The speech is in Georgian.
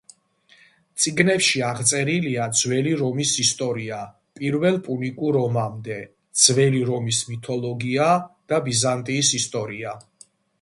წიგნებში აღწერილია ძველი რომის ისტორია პირველ პუნიკურ ომამდე, ძველი რომის მითოლოგია და ბიზანტიის ისტორია.